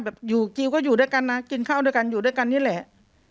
อยู่กิวก็อยู่ด้วยกันนะกินข้าวด้วยกันอยู่ด้วยกันนี่แหละ